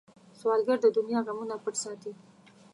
سوالګر د دنیا غمونه پټ ساتي